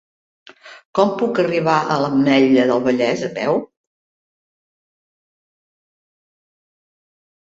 Com puc arribar a l'Ametlla del Vallès a peu?